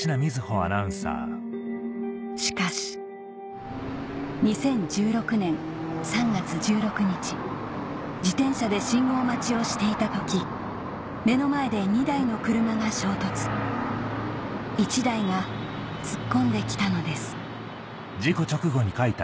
しかし自転車で信号待ちをしていた時目の前で２台の車が衝突１台が突っ込んできたのです